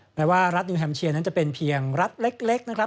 แม้ว่ารัฐนิวแฮมเชียร์นั้นจะเป็นเพียงรัฐเล็กนะครับ